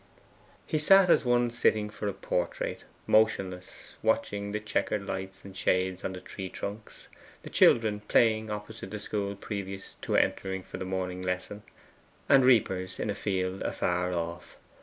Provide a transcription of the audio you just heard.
He sat as one sitting for a portrait, motionless, watching the chequered lights and shades on the tree trunks, the children playing opposite the school previous to entering for the morning lesson, the reapers in a field afar off.